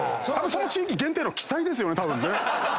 その地域限定の奇祭ですよねたぶんね。